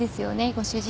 ご主人。